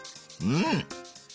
うん！